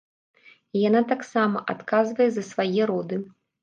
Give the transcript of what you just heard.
І яна таксама адказвае за свае роды.